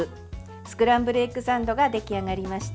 スクランブルエッグサンドが出来上がりました。